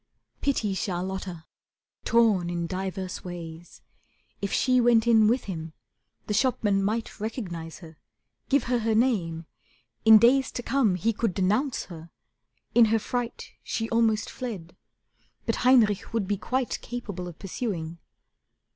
Pity Charlotta, torn in diverse ways. If she went in with him, the shopman might Recognize her, give her her name; in days To come he could denounce her. In her fright She almost fled. But Heinrich would be quite Capable of pursuing.